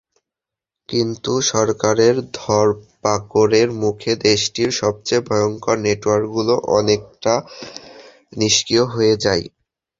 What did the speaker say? কিন্তু সরকারের ধরপাকড়ের মুখে দেশটির সবচেয়ে ভয়ংকর নেটওয়ার্কগুলো অনেকটা নিষ্ক্রিয় হয়ে যায়।